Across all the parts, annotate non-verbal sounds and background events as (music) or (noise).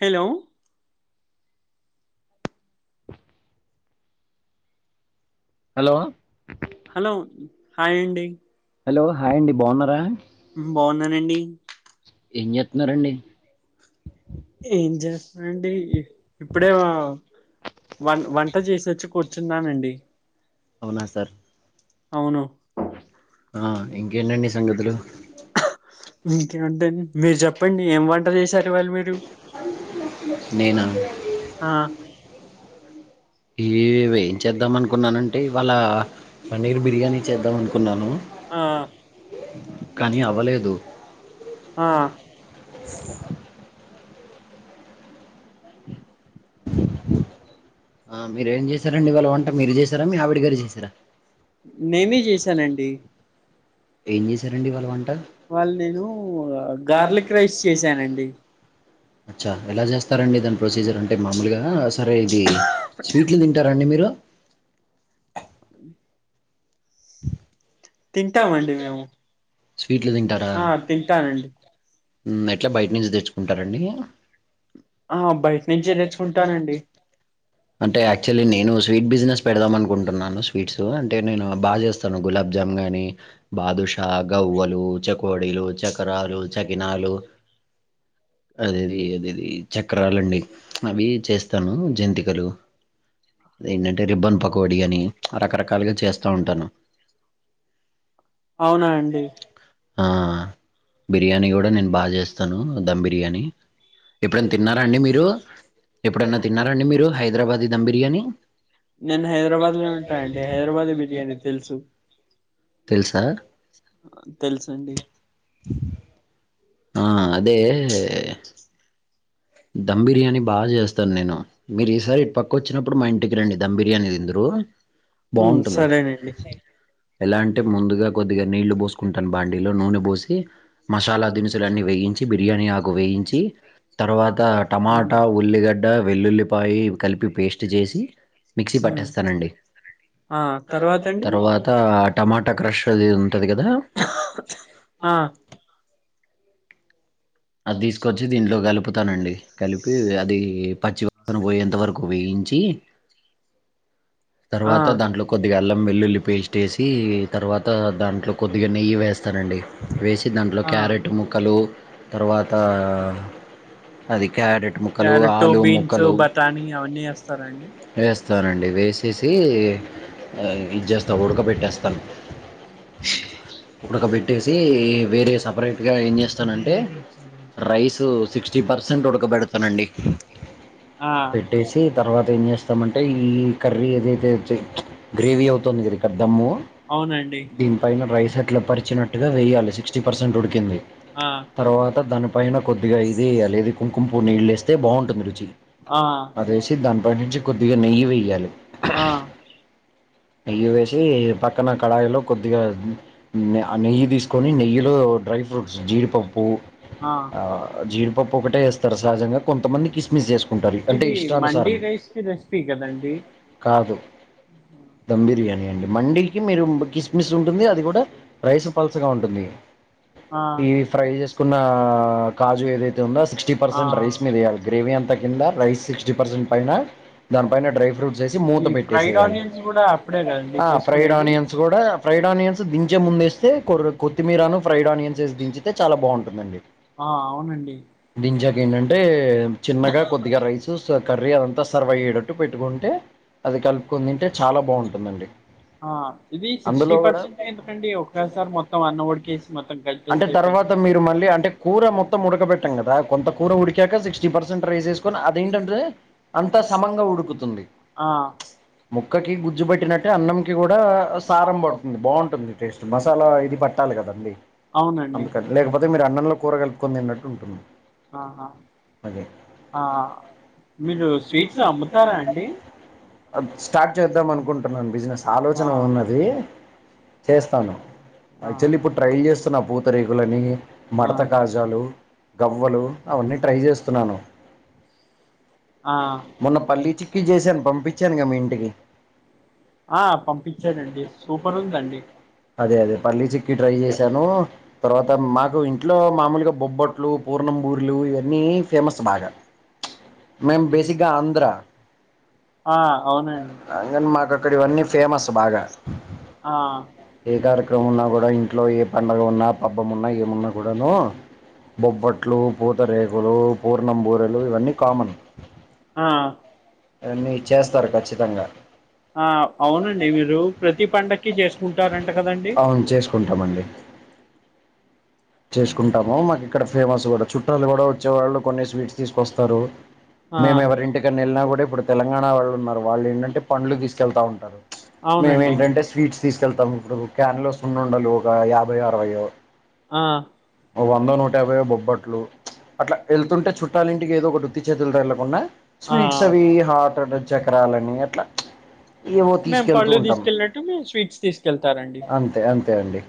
Hello hello hello హాయండి hello hi అండి బావున్నారా ఉహు బాగున్నానండి ఏం జెత్తన్నారండి ఏం జెస్తన్నాండి ఇప్పుడే వా వన్ వంట చేసొచ్చి కూర్చున్నానండి అవునా సార్ అవును ఆ ఇంకేంటండి సంగతులు ఇంకేముంటాయండి మీర్ జెప్పండి ఏం వంట చేశారు ఇవాళ మీరు నేనా హ ఎవి ఏం చేద్దాం అనుకున్నానంటే ఇవాళ పన్నీర్ బిర్యానీ చేద్దాం అనుకున్నాను ఆ కానీ అవ్వలేదు ఆ (inaudible) ఆ మీరేం చేశారండి ఇవాళ వంట మీరు చేసారా మీ ఆవిడ గారు చేశారా నేనే చేసానండి ఏం చేశారండి ఇవాళ వంట ఇవాళ్ నేను గార్లిక్ రైస్ చేసానండి అచ్చ ఎలా చేస్తారండి దాని ప్రొసీజర్ అంటే మామూలుగా సరే ఇది స్వీట్ లు తింటారండి మీరు తింటామండి మేము స్వీట్లు తింటారా ఆ తింటానండి మ్ ఎట్లా బయట నుంచి తెచ్చుకుంటారండి ఆ బయట నుంచే తెచ్చుకుంటానండి అంటే యాక్చుల్లీ నేను స్వీట్ బిజినెస్ పెడుదామనుకుంటున్నాను స్వీట్సు అంటే నేను బాగా చేస్తాను గులాబ్ జామ్ గాని బాదుష గవ్వలు చెక్ కోడీలు చక్రలు చకినాలు అదేది అదేది చక్రలండి అవి చేస్తాను జంతికలు అదేంటంటే రిబ్బన్ పకోడి అని రకరకాలుగా చేస్తా ఉంటాను అవునా అండి ఆ బిర్యానీ కూడా నేను బాగా చేస్తాను ధమ్ బిర్యానీ ఎప్పుడన్న తిన్నారా అండి మీరు ఎప్పుడైనా తిన్నారాండి మీరు హైదరాబాది ధమ్ బిర్యానీ నేను హైదరాబాద్ లోనే ఉంటా అండి హైదరాబాది బిర్యానీ తెలుసు తెలుసా? తెలుసండి ఆ అదే ధమ్ బిర్యానీ బాగా చేస్తాను నేను మీరు ఈసారి ఇటు పక్క వచ్చినప్పుడు మా ఇంటికి రండి ధమ్ బిర్యానీ తిందురు ఉమ్ బాగుంటుంది సరేనండి ఎలా అంటే ముందుగా కొద్దిగా నీళ్లు పోసుకుంటాను బాండిలో నూనె పోసి మసాలా దినుసులన్నీ వేయించి బిర్యానీ ఆకు వేయించి తర్వా గ ఉమ్ టమాటా ఉల్లిగడ్డ వెల్లుల్లిపాయి కలిపి పేస్ట్ చేసి మిక్సీ ఉమ్ పట్టేస్తానండి ఆ తర్వాత అండి తర్వాత టమాటా క్రష్ అది ఉంటది కదా ఆ అది తీసుకొచ్చి దీంట్లో కలుపుతానండి కలిపి అది పచ్చివాసన పోయేంత వరకు వేయించి ఆ తర్వాత దాంట్లో కొద్దిగా అల్లం వెల్లుల్లి పేస్ట్ ఏసి తర్వాత దాంట్లో కొద్దిగా నెయ్యి వేస్తానండి వేసి దాంట్లో ఆ క్యారెట్ ముక్కలు తర్వాత అది క్యారెట్ ముక్కలు క్యారెట్ ఆలూ బీన్స్ ముక్కలు బఠానీ అవన్నీ వేస్తారండి వేస్తానండి వేసేసి ఇది చేస్తా ఉడకబెట్టేస్తాను ఉడకబెట్టేసి వేరే సపరేట్ గా ఏం చేస్తానంటే రైసు సిక్స్టీ పర్సెంట్ ఉడకబెడుతానండి ఆ పెట్టేసి తర్వాత ఏం చేస్తామంటే ఈ కర్రీ ఏదైతే చ్ గ్రేవీ అవుతుంది ఇది క్ దమ్ము అవునండి దీనిపైన రైస్ అట్లా పరిచినట్టుగా వేయాలి సిక్స్టీ పర్సెంట్ ఉడికింది ఆ తర్వాత దానిపైన కొద్దిగా ఇది ఎయ్యాలి ఏది కుంకుంపువ్వు నిళ్ళేస్తే బాగుంటుంది రుచి ఆ అదేసి దానిపై నుంచి కొద్దిగా నెయ్యి వెయ్యాలి. ఆహ్. నెయ్యి వేసి పక్కన కడాయిలో కొద్దిగా. ఉన్ ఆ నెయ్యి తీసుకొని నెయ్యిలో డ్రై ఫ్రూట్స్ జీడిపప్పు ఆ ఆహ్. జీడిపప్పు ఒకటే వేస్తారు సహజంగా కొంతమంది. కిస్మిస్ ఏసుకుంటారు అంటే ఇది మండీ ఇష్టానుసారం రైస్ కి రెసిపీ కదండి కాదు. ధమ్ బిర్యానీ అండి మండీకి మీరు కిస్మిస్ ఉంటుంది అది కూడా. రైస్ పల్సగా ఉంటుంది. ఆ ఈ ఫ్రై చేసుకున్న కాజు ఏదైతే ఉందో సిక్స్టీ ఆ పర్సెంట్ రైస్ మీద వేయాలి. గ్రేవీ అంతా. కింద రైస్ సిక్స్టీ పర్సెంట్ పైన దాని పైన డ్రై ఫ్రూట్స్ వేసి మూత ఈ ఫ్రైడ్ పెట్టేసేయాలి. ఆనియన్స్ కూడా అప్పుడే కదండి ఆఊ ఫ్రైడ్ చేసుకునేది ఆనియన్స్ కూడా ఫ్రైడ్ ఆనియన్స్ దించే ముందేస్తే కొర్రు కొత్. కొత్తిమరాను ఫ్రైడ్ ఆనియన్స్ ఏసి దించితే చాలా బాగుంటుందండి. ఆహ్ అవునండి దించాక ఉమ్. చూస్తే కర్రీ అదంతా సర్వ్ అయ్యేటట్టు పెట్టుకుంటే అది కలుపుకొని తింటే చాలా బాగుంటుందండి. ఆహ్ ఇది అందులో సిక్స్టీ కూడా పర్సెంట్ ఎందుకండి ఒసారి మొత్తం అన్నవడ్ కేసి మొత్తం కలిసి. అంటే తర్వాత మీరు మళ్ళీ అంటే కూర మొత్తం ఉడకబెట్టం కదా కొంత కూర ఉడికాక సిక్స్టీ పర్సెంట్ రైజెస్. అదేంటంటే అంత సమంగా ఉడుకుతుంది ఆ ప్చ్ ముక్కకి ము గుజుబెట్టినట్టే అన్నంకి కూడా సారం పడుతుంది బాగుంటుంది టేస్ట్ మసాలా ఇది పట్టాలి కదండి. అవునండి అందుకని లేకపోతే మీరు అన్నంలో కూర కలుపుకొని తిన్నట్లు ఉంటుంది. ఆహా. అదే. ఆహ్ మీరు స్వీట్స్ అమ్ముతారా అండి. స్టార్ట్ చేద్దాం అనుకుంటున్నాను బిజినెస్ ఆ ఆలోచన ఉన్నది చేస్తాను. ఆ యాక్చువల్లీ ఇప్పుడు ట్రైల్ చేస్తున్న పూతరేకులని మడత కాజాలు. గవ్వలు అవన్నీ ట్రై చేస్తున్నాను. ఆహ్. మొన్న పల్లీ చిక్కీ చేశాను పంపించానుగా మీ ఇంటికి ఆహ్ పంపించానండి సూపర్ ఉందండి. అదే అదే పల్లీ చిక్క్కీ ట్రై చేశాను తర్వాత మాకు ఇంట్లో మామూలుగా బొబ్బొట్లు. పూర్ణంబూర్లు ఇవన్నీ ఫేమస్ బాగా ప్చ్ మేము బేసిక్గా ఆంధ్ర. ఆహ్ అవునండి. అందుకు మాకు అక్కడ ఇవన్నీ ఫేమస్ బాగా. ఆహ్. ఏ కార్యక్రమం ఉన్నా కూడా ఇంట్లో ఏ పండుగ ఉన్నా పబ్బం ఉన్నా ఏమున్నా కూడాను. బొబ్బట్లు పూతరేకులు. పూర్ణం బూరెలు ఇవన్నీ కామన్ ఆ అన్నీ చేస్తారు ఖచ్చితంగా. ఆ అవునండి మీరు ప్రతి పండక్కి చేసుకుంటారంట కదండి అవును చేసుకుంటాం. చేసుకుంటాము మాకు ఇక్కడ ఫేమస్ కూడా. చుట్టాలు కూడా వచ్చే వాళ్ళు కొన్ని స్వీట్స్ తీసుకొస్తారు ఆ మేము ఎవరి ఇంటికని వెళ్ళినా కూడా ఇప్పుడు. తెలంగాణ వాళ్ళు ఉన్నారు వాళ్ళు ఏంటంటే పండ్లు తీసుకెళ్తా ఉంటారు. మేము అవునండి ఏంటంటే స్వీట్స్ తీసుకెళ్తాం ఇప్పుడు క్యాన్ లో సున్న ఉండాల ఒక యా భైయె అరవైయె ఆ ఒక వంద నూట యాభైయె బొబ్బట్లు. అట్లా వెళ్తుంటే చుట్టాలింటికి ఏదో ఒకటి రుత్తి చేతులుతో వెళ్లకుండా ఆ స్వీట్స్ అవి హట్. చక్రాలని అట్లా ప్చ్. మేము పళ్ళు తీసుకెళ్ళినట్టు మీరు స్వీట్స్ తీసుకెళ్తారండి. అంతే అంతే అండి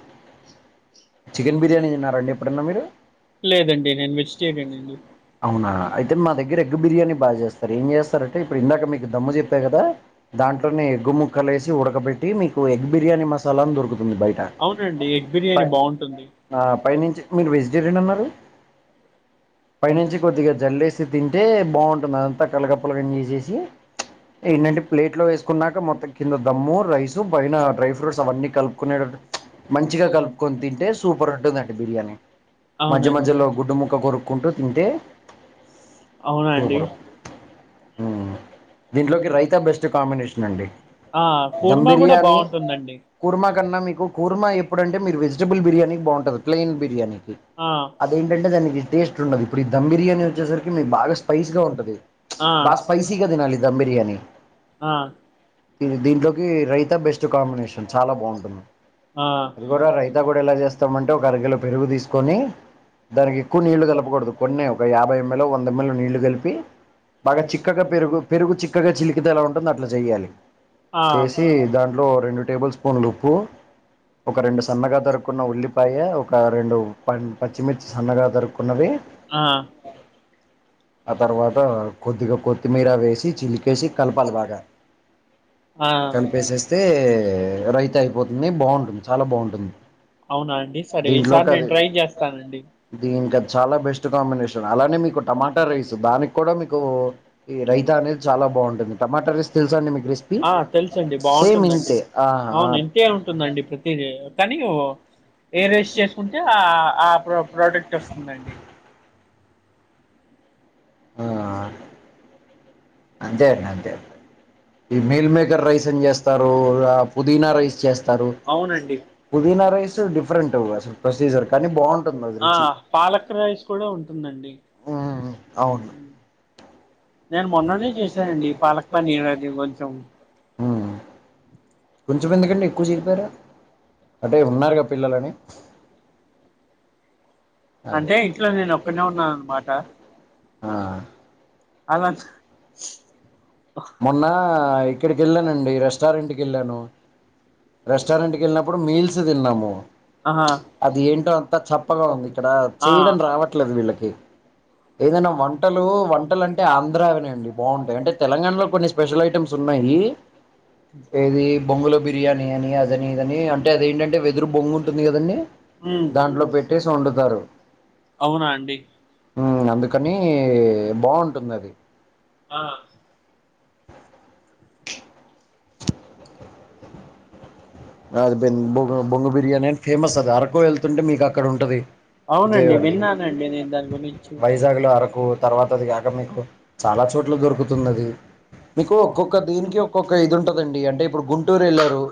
చికెన్ బిర్యానీ తిన్నారండి ఎప్పుడన్న మీరు చెకనండి అవునా అయితే మా దగ్గర ఎగ్గు బిర్యానీ బాగా చేస్తారు ఏం చేస్తారంటే ఇప్పుడు ఇందాక మీకు దమ్ము చెప్పా కదా దాంట్లోనే ఎగ్గు ముక్కలు వేసి ఉడకబెట్టి మీకు ఎగ్ బిర్యానీ మసాలా అని దొరుకుతుంది బయట అవునండి ఎగ్ ప బిర్యానీ బాగుంటుంది ఆ పైనుంచి మీరు వెజిటేరియన్ అన్నారు పైనుంచి కొద్దిగా జల్లేసి తింటే బాగుంటుంది అదంతా కలగప్పలగానిసేసి ఏంటంటే ప్లేట్ లో వేసుకున్నాక మొత్తం కింద దమ్ము రైస్ పైన డ్రై ఫ్రూట్స్ అవన్నీ కలుపుకునేటట్ ప్చ్ మంచిగా కలుపుకొని తింటే సూపర్ ఉంటుందండి బిర్యానీ మధ్య అవునండి మధ్యలో గుడ్డు ము క్క కొరుక్కుంటూ తింటే అవునా అండి సూపరు ఊ ఇంట్లోకి రమ్మని కాంబినేషన్ అండి ధమ్ కూడా బిర్యానీ బాగుంటుందండి కూర్మా కన్నా మీకు కుర్మా ఎప్పుడంటే మీరు వెజిటబుల్ బిర్యానీ బాగుంటది ప్లేన్ బిర్యానీకి ఆ అదేంటంటే దానికి టేస్ట్ ఉండది ఇప్పుడు ఈ ధమ్ బిర్యానీ వచ్చేసరికి మీకు బాగా స్పైస గా ఉంటది ఆ బా స్పైసి గా తినాలి దమ్ బిర్యానీ ఆ ఇం దీంట్లోకి రైతా బెస్ట్ కాంబినేషన్ చాలా బాగుంటుంది అది కూడా రైతా కూడా ఎలా చేస్తామంటే ఒక అరకిలో పెరుగు తీసుకొని దానికి ఎక్కువ నీళ్లు కలపకూడదు కొన్నే ఒక యాభై ఎంఎల్ ఒ వంద ఎంఎల్ ఒ నీళ్లు కలిపి బాగా చిక్కగా పెరుగు పెరుగు చిక్కగా చిలికితే ఎలా ఉం ఎట్ల ఉందో అట్ల చేయాలి ఆ చేసి దాంట్లో రెండు స్పూన్ల ఉప్పు ఒక రెండు సన్నగా దొరుక్కున్న ఉల్లిపాయ ఒక రెండు పన్ పచ్చిమిర్చి సన్నగా దరుక్కున్నవి ఆ ఆ తర్వాత కొద్దిగా కొత్తిమీర వేసి చిలికేసి కలపాలి బాగా ఆ గ కలిపేసేస్తే రైత అయిపోతుంది బాగుంటుంది చాలా బాగుంటుంది అవునా అండి సరే ఈసారి నేను ట్రై చేస్తానండి దీనికి అది చాలా బెస్ట్ కాంబినేషన్ అలానే మీకు టమాటా రైస్ ఉ దానికి కూడా మీకు ఈ రైత అనేది చాలా బాగుంటుంది టమాట ట రైస్ తెలుసండి మీకు రేస్పి ఆ తెలుసండి సేమ్ ఇంతే ఆ ఆ టుందండి ప్రతిది కానీ వో ఏ రైస్ చేసుకుంటే ఆ ఆ ప్ర ప్రోడక్ట్ వస్తుందండి ఆ అంతే అండి అంతే ఈ మీల్ మేకర్ రైస్ అని చేస్తారు ఆ, పుదీనా రైస్ చేస్తారు అవునండి పుదీనా రైస్ డిఫరెంట్ అసలు ప్రొసీజర్ కానీ బాగుంటుంది అది ఆ రుచి పాలక్ రైస్ కూడా ఉంటుందండి ఉమ్, ఉహు అవును నేను మొన్ననే చేశానండి పాలక్ పన్నీరు అది కొంచెం ఉమ్. కొంచెం ఎందుకండి ఎక్కువ చేయకపోయారా అంటే ఉన్నారుగా పిల్లలని అదే అంటే ఇంట్లో నేను ఒక్కనే ఉన్నాను అన్నమాట ఆ అలాతు చే మొన్న ఇక్కడికి వెళ్ళానండి రెస్టారెంట్కి వెళ్ళాను రెస్టారెంట్కి వెళ్ళినప్పుడు మీల్స్ తిన్నాము ఆహా అది ఏంటో అంతా చప్పగా ఉంది ఇక్కడ ఆ చేయడం రావట్లేదు వీళ్ళకి ఏదైనా వంటలు వంటలు అంటే ఆంధ్రావి అండి బాగుంటాయి అంటే తెలంగాణలో కొన్ని స్పెషల్ ఐటమ్స్ ఉన్నాయి ఏది బొంగులో బిర్యానీ అని అదని ఇదని అంటే అదేంటంటే వెదురు బొంగు ఉంటుంది కదండీ ఉమ్ దాంట్లో పెట్టేసి వండుతారు అవునా అండి ఉమ్మ్ అందుకని బాగుంటుంది అది ఆ అది బ బొ బొంగు బిర్యానీ అని ఫేమస్ అది అరకు వెళ్తుంటే మీకు అక్కడ ఉంటది అవునండి విజయవాడలో విన్నానండి నేను దాని గురించి వైజాగ్ లో అరకు తర్వాత అది కాక మీకు చాలా చోట్ల దొరుకుతున్నది మీకు ఒక్కొక్క దీనికి ఒక్కొక్క ఇది ఉంటదండి అంటే ఇప్పుడు గుంటూరు వెళ్ళారు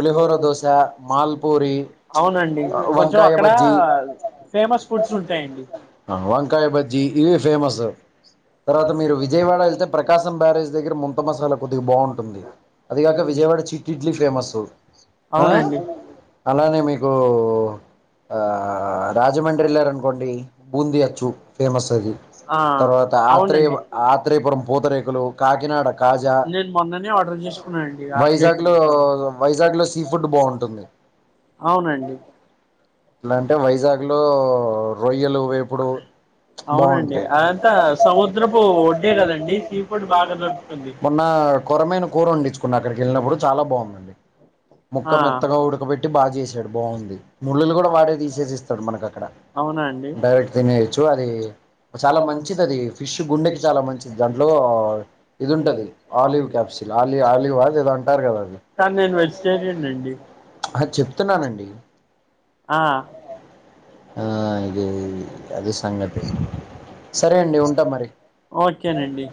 పులిహోర దోశ మాల్ పూరి అవునండి కొంచెం వంకాయ అక్కడ బజ్జి ఫేమస్ ఫుడ్స్ ఉంటాయండి ఆ వంకాయ భజ్జీ ఇవి ఫేమస్ తర్వాత మీరు విజయవాడ వెళ్తే ప్రకాశం బ్యారేజ్గర ముంత మసాలా కొద్దిగా బాగుంటుంది అది కాక విజయవాడ చిట్టి ఇడ్లీ ఫేమస్ ఆ అవునండి అలానే మీకు ఆ రాజమండ్రి ఎల్లారు అనుకోండి బూందీ అచ్చు ఫేమస్ అది ఆ తర్వాత అత్రేయా అవునండి ఆత్రేయాపురం పూతరేకులు కాకినాడ కాజా నేను మొన్ననే ఆర్డర్ చేసుకున్నానండి రాత్రి వైజాగ్ లో ఎప్పుడు. వైజాగ్లో సీ ఫుడ్ బాగుంటుంది అవునండి ఇలాంటే వైజాగ్ లో రొయ్యలు వేపుడు అవునండి బాగుంటాయి అదంతా సముద్రపు ఒడ్డే కదండి సీ ఫుడ్ బాగా దొరుకుతుంది మొన్న కొరమైన కూర వండించుకుంన అక్కడికి వెళ్ళినప్పుడు చాలా బాగుందండి ముక్క ఆ మెత్తగా ఉడకబెట్టి బాగా చేసాడు బాగుంది ముళ్ళలు కూడా వాడే తీసేసి ఇస్తాడు మనకు అక్కడ అవునా అండి డైరెక్ట్ తినేయచ్చు అది చాలా మంచిది అది ఫిష్ గుండెకి చాలా మంచిది దాంట్లో ఇది ఉంటది ఆలివ్ క్యాప్సిల్ ఆలి ఆలివ్ అది ఏదో అంటారు కదా అది కానీ నేను వెజిటేరియన్ అండి ఆ చెప్తున్నానండి ఆ ఆ ఇది అది సంగతి సరే అండి ఉంటా మరి ఓకేనండి